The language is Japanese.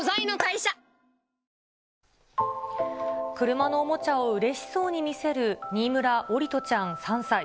車のおもちゃをうれしそうに見せる新村桜利斗ちゃん３歳。